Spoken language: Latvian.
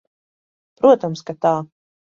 Protams, ka tā.